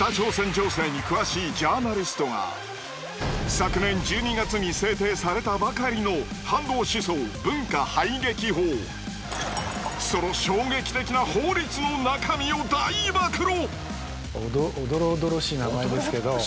昨年１２月に制定されたばかりのその衝撃的な法律の中身を大暴露。